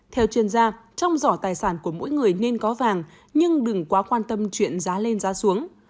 theo chuyên gia trong giỏ tài sản của mỗi người nên có vàng nhưng đừng quá quan tâm chuyện giá lên giá xuống